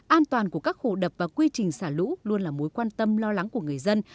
an toàn của các hồ đập và quy trình xả lũ luôn là mối quan tâm lo lắng của người dân